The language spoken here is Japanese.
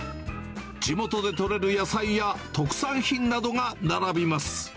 地元で取れる野菜や特産品などが並びます。